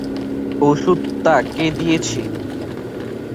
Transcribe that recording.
ওষুধটা কে দিয়েছে?